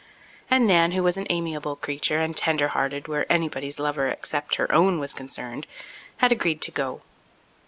And Nan, who was an amiable creature and tender hearted where anybody's lover except her own was concerned, had agreed to go.